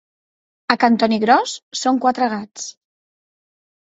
A Cantonigròs són quatre gats.